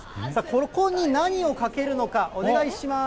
ここに何をかけるのか、お願いします。